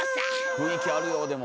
雰囲気あるよでも。